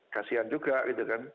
kasian juga gitu kan